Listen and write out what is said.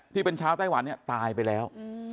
ที่เป็นชาวไต้หวันเนี่ยตายไปแล้ว